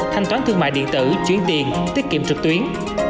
thanh toán thương mại điện tử chuyển tiền tiết kiệm trực tuyến